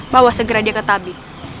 bawa segera dia ke tabi